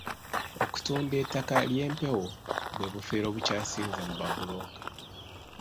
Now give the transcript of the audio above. Okutunda ettaka ly'empewo bwe bufere obukyasinze mu babbulooka.